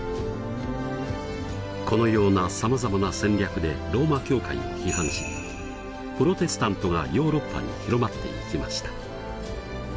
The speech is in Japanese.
このようなさまざまな戦略でローマ教会を批判しプロテスタントがヨーロッパに広まっていきました。